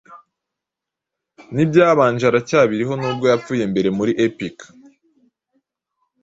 nibyabanje aracyarihonubwo yapfuye mbere muri epic